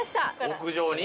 ◆屋上に？